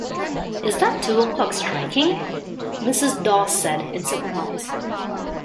“Is that two o’clock striking?” Mrs. Dawes said in surprise.